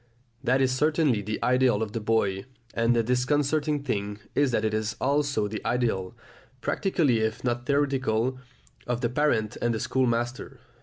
That is certainly the ideal of the boy, and the disconcerting thing is that it is also the ideal, practically if not theoretically, of the parent and the schoolmaster.